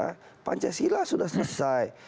karena pancasila sudah selesai